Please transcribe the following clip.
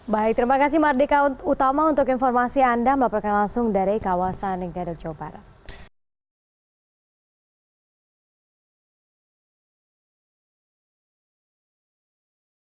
baik terima kasih mardika utama untuk informasi anda melaporkan langsung dari kawasan gadok jawa barat